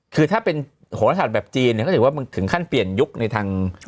คือถ้าเป็นโหรศาสตร์แบบจีนเนี่ยก็ถือว่าถึงขั้นเปลี่ยนยุคในทาง